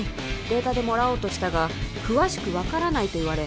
「データでもらおうとしたが詳しく分からないと言われ」